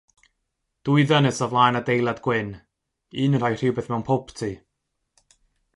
Dwy ddynes o flaen adeilad gwyn, un yn rhoi rhywbeth mewn popty.